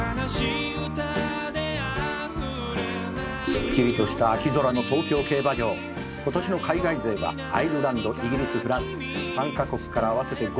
「すっきりとした秋空の東京競馬場」「今年の海外勢はアイルランドイギリスフランス３カ国から合わせて５頭です」